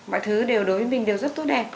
mọi thứ đều đối với mình điều rất tốt đẹp